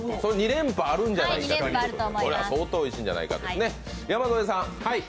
２連覇あるんじゃないかと、相当おいしんじゃないかと。